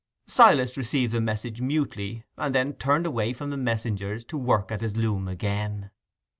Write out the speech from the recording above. Silas received the message mutely, and then turned away from the messengers to work at his loom again.